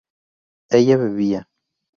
ella bebía